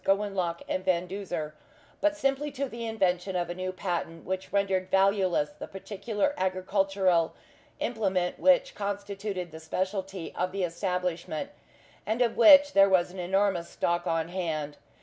Gowanlock and Van Duzer, but simply to the invention of a new patent which rendered valueless the particular agricultural implement which constituted the specialty of the establishment, and of which there was an enormous stock on hand.